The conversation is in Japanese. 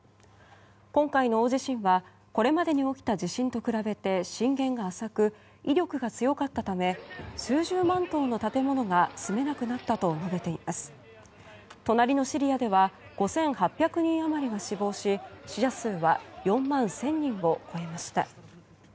今回の大地震はこれまでに起きた地震と比べて震源が浅く威力が強かったため数十万棟の建物が住めなくなったと隣のシリアでは５８００人余りが死亡し死者数は４万１０００人を超えました。